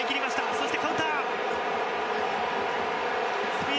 そしてカウンター。